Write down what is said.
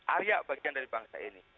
area bagian dari bangsa ini